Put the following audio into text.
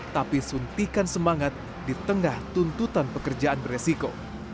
tapi suntikan semangat di tengah tuntutan pekerjaan beresiko